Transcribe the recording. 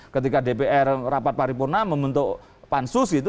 ketika dpr rapat paripurna membentuk pansus gitu